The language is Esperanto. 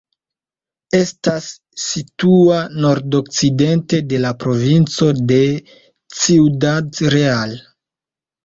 Estas situa nordokcidente de la provinco de Ciudad Real.